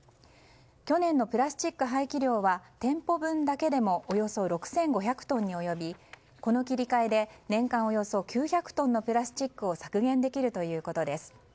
去年のプラスチック廃棄量は店舗分だけでもおよそ６５００トンに及びこの切り替えで年間およそ９００トンのプラスチックを削減できるということです。